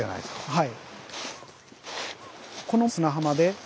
はい。